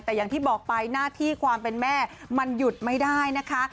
แต่อย่างที่บอกไปหน้าที่ความเป็นแม่มันหยุดไม่ได้นะคะ